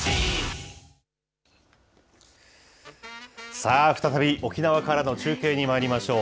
さあ、再び沖縄からの中継にまいりましょう。